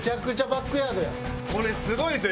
これすごいですよ！